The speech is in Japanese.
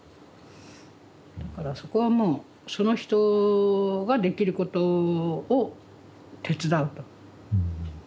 だからそこはもうその人ができることを手伝うと。